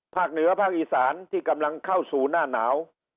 เหนือภาคอีสานที่กำลังเข้าสู่หน้าหนาว